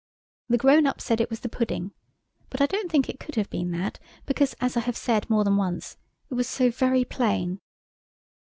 The grown ups said it was the pudding, but I don't think it could have been that, because, as I have said more than once, it was so very plain.